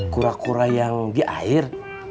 kura kura yang di air